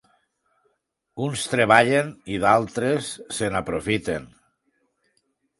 Uns treballen, i d'altres se n'aprofiten.